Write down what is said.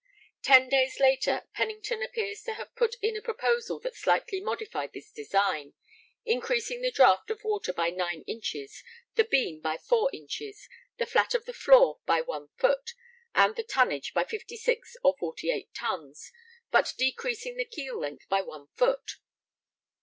Ten days later Pennington appears to have put in a proposal that slightly modified this design, increasing the draught of water by nine inches, the beam by four inches, the flat of the floor by one foot, and the tonnage by 56 or 48 tons, but decreasing the keel length by one foot.